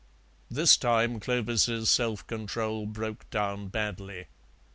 This time Clovis's self control broke down badly.